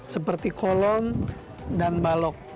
seperti kolom dan balok